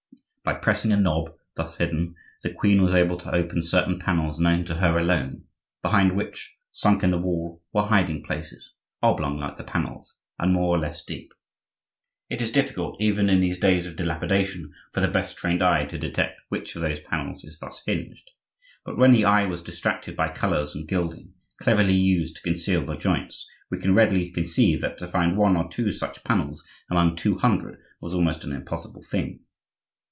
By pressing a knob thus hidden, the queen was able to open certain panels known to her alone, behind which, sunk in the wall, were hiding places, oblong like the panels, and more or less deep. It is difficult, even in these days of dilapidation, for the best trained eye to detect which of those panels is thus hinged; but when the eye was distracted by colors and gilding, cleverly used to conceal the joints, we can readily conceive that to find one or two such panels among two hundred was almost an impossible thing.